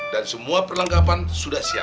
dan semua perlengkapan sudah siap